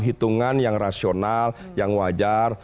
hitungan yang rasional yang wajar